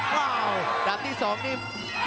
ว้าวดับที่๒นี่